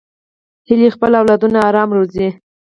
هیلۍ خپل اولادونه آرام روزي